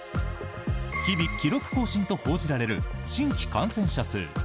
日々、記録更新と報じられる新規感染者数。